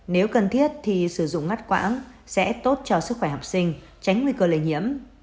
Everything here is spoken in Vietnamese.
nếu cần thiết thì sử dụng ngắt quãng sẽ tốt cho sức khỏe học sinh tránh nguy cơ lây nhiễm